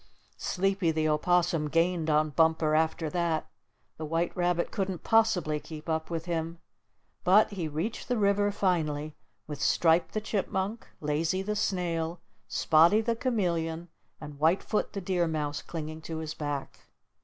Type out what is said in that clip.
Sleepy the Opossum gained on Bumper after that. The white rabbit couldn't possibly keep up with him. But he reached the river finally, with Stripe the Chipmunk, Lazy the Snail, Spotty the Chameleon and White Foot the Deer Mouse clinging to his back.